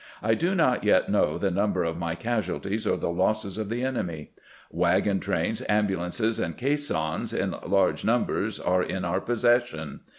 I do not yet know the number of my casualties or the losses of the enemy. Wagon trains, ambulances, and caissons in large num bers are in our possession.